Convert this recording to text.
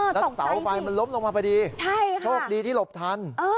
รถสาวไฟมันล้มลงมาไปดีโชคดีที่หลบทัน